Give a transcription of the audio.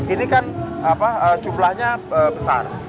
ini kan jumlahnya besar